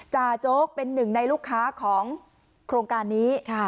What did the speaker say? จโจ๊กเป็นหนึ่งในลูกค้าของโครงการนี้